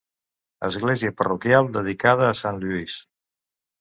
Església parroquial dedicada a Sant Lluís.